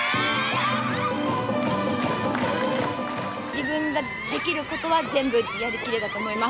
自分ができることは全部やりきれたと思います。